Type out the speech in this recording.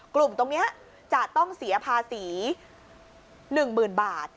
กลุ่มตรงนี้จะต้องเสียภาษี๑๐๐๐บาท